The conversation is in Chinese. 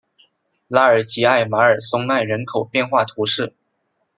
拉尔吉艾马尔松奈人口变化图示